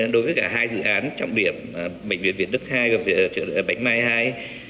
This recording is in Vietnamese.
đối với cả hai dự án trọng điểm bệnh viện việt đức hai và bệnh viện bánh mai hai